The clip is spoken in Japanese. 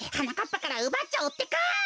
ぱからうばっちゃおうってか！